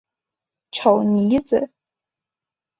丑妮子。